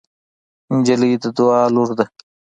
نجلۍ د دعا لور ده.